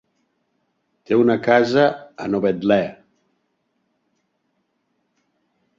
Té una casa a Novetlè.